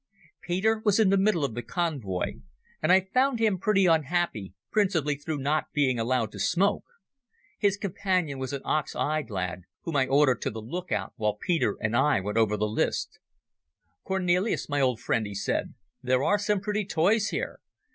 Peter was in the middle of the convoy, and I found him pretty unhappy, principally through not being allowed to smoke. His companion was an ox eyed lad, whom I ordered to the look out while Peter and I went over the lists. "Cornelis, my old friend," he said, "there are some pretty toys here.